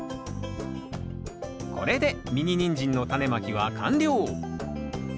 これでミニニンジンのタネまきは完了。